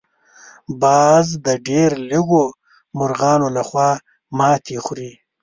باز د ډېر لږو مرغانو لخوا ماتې خوري